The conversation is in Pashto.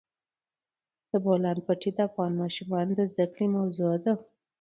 د بولان پټي د افغان ماشومانو د زده کړې موضوع ده.